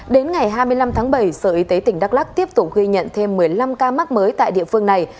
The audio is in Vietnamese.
đến ngày hai mươi năm tháng bảy sở y tế tỉnh đắk lắc tiếp tục ghi nhận thêm một mươi năm ca mắc mới tại địa phương này